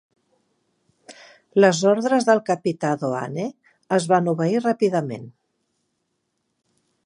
Les ordres del capità Doane es van obeir ràpidament.